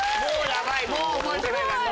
もう覚えてない何も。